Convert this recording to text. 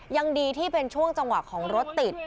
ยังดีที่เป็นช่วงจังหวะของรถติด